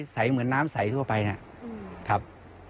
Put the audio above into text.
เหมือนน้ำใสทั่วไปนะครับ